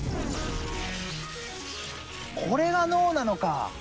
これが脳なのか！